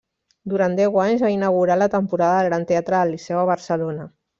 Durant deu anys, va inaugurar la temporada al Gran Teatre del Liceu de Barcelona.